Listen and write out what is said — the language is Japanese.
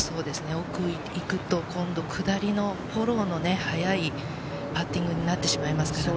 奥に行くと、今度は下りのフォローの速いパッティングになってしまいますからね。